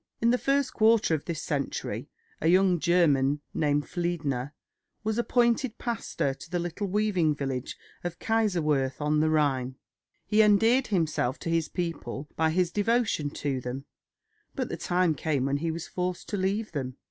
In the first quarter of this century a young German named Fliedner was appointed pastor to the little weaving village of Kaiserswerth on the Rhine. He endeared himself to his people by his devotion to them; but the time came when he was forced to leave them.